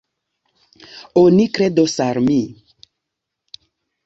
Oni kredos al mi.